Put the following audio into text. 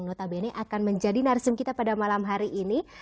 notabene akan menjadi narsum kita pada malam hari ini